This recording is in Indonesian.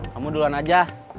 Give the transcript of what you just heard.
kamu duluan aja